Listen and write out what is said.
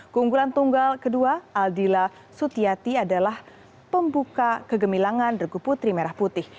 keunggulan tunggal kedua aldila sutiati adalah pembuka kegemilangan regu putri merah putih